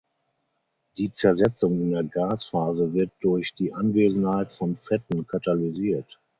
Die Zersetzung in der Gasphase wird durch die Anwesenheit von Fetten katalysiert.